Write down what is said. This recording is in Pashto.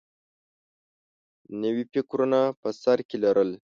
نوي فکرونه په سر کې لرل